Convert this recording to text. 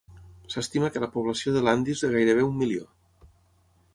S'estima que la població de Landhi és de gairebé un milió.